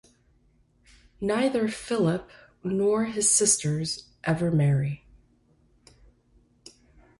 Neither Phillip nor his sisters ever marry.